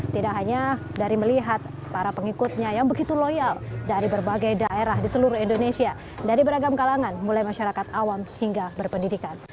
tidak hanya dari melihat para pengikutnya yang begitu loyal dari berbagai daerah di seluruh indonesia dari beragam kalangan mulai masyarakat awam hingga berpendidikan